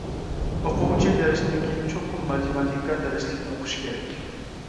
ئوقۇغۇچى دەرستىن كېيىن چوقۇم ماتېماتىكا دەرسلىكنى ئوقۇشى كېرەك.